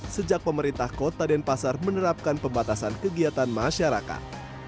sejak pemerintah kota dan pasar menerapkan pembatasan kegiatan masyarakat